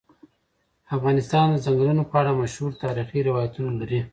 افغانستان د چنګلونه په اړه مشهور تاریخی روایتونه لري.